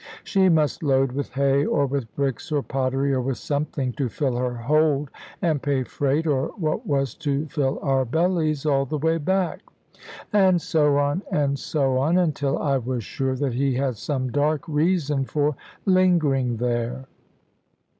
She must load with hay, or with bricks, or pottery, or with something to fill her hold and pay freight, or what was to fill our bellies all the way back? And so on, and so on; until I was sure that he had some dark reason for lingering there.